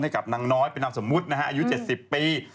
ให้กับนางน้อยเป็นนามสมมุตินะฮะอายุ๗๐ปี